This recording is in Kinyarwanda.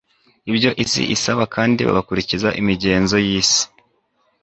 ibyo isi isaba kandi bagakurikiza imigenzo yisi